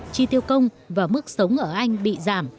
chi tiêu công và mức sống ở anh bị giảm